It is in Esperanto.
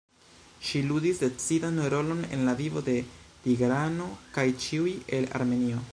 Ŝi ludis decidan rolon en la vivo de Tigrano kaj ĉiuj el Armenio.